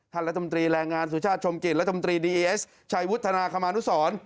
รัฐมนตรีแรงงานสุชาติชมกิจรัฐมนตรีดีเอสชัยวุฒนาคมานุสร